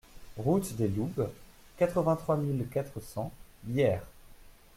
Route des Loubes, quatre-vingt-trois mille quatre cents Hyères